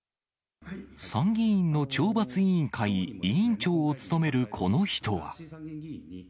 参議院の懲罰委員会委員長を務めるこの人は。